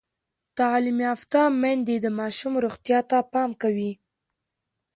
تعلیم یافته میندې د ماشوم روغتیا ته پام کوي۔